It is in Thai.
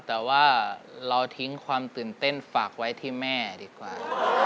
แต่ว่าเราทิ้งความตื่นเต้นฝากไว้ที่แม่ดีกว่า